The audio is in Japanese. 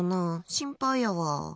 心配やわ。